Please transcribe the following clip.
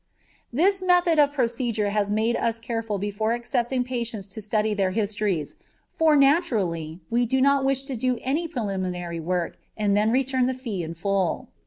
This method of procedure has made us careful before accepting patients to study their histories, for, naturally, we do not wish to do even preliminary work and then return the fee in full.